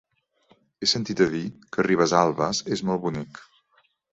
He sentit a dir que Ribesalbes és molt bonic.